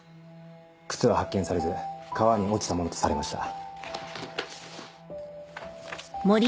靴は発見されず川に落ちたものとされました。